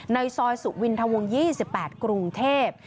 ในซอยสุวินทวง๒๘กรุงเทพฯ